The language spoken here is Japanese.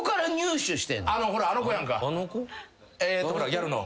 ギャルの。